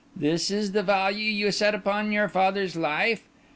This is the value you set upon your father's life?